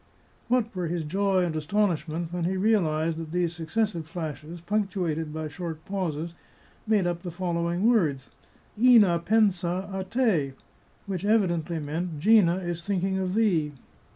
*" What were his joy and astonishment when he realized that these successive flashes, punctuated by short pauses, made up the following words :" Ina pensa a te" which evidently meant, " Gina is thinking of thee."